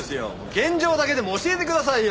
現状だけも教えてくださいよ！